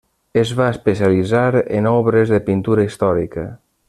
Es va especialitzar en obres de pintura històrica.